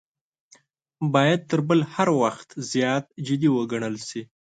باید تر بل هر وخت زیات جدي وګڼل شي.